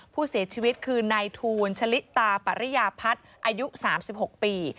ผู้เสียชีวิตคือนายทูลชะลิตาปริยาพัฒน์อายุ๓๖ปี